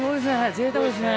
ぜいたくですね。